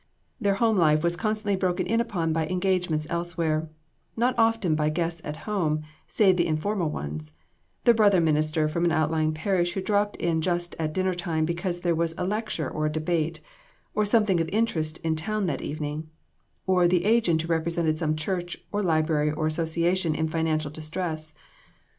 Their home life was con stantly broken in upon by engagements elsewhere, not often by guests at home, save the informal ones the brother minister from an outlying par ish who dropped in just at dinner time because there was a lecture or a debate, or something of interest in town that evening; or the agent who represented some church or library or association in financial distress.